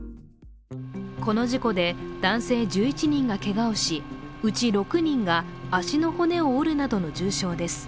この事故で、男性１１人がけがをしうち６人が足の骨を折るなどの重傷です。